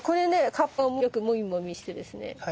葉っぱをよくモミモミしてですね